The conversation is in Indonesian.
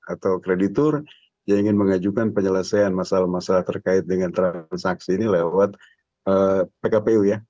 atau kreditur yang ingin mengajukan penyelesaian masalah masalah terkait dengan transaksi ini lewat pkpu ya